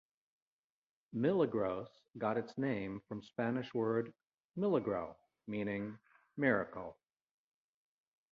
Milagros got its name from Spanish word "Milagro" meaning miracle.